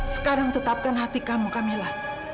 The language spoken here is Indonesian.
sekarang tetapkan hati kamu kamilah